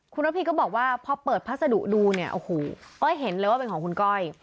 คุณระพีก็บอกว่าพอเปิดพัสดุดูเนี่ยโอ้โหเห็นเลยว่าเป็นของคุณก้อย